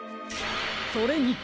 それに！